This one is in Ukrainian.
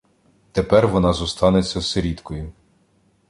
Тепер вона зостанеться сиріткою.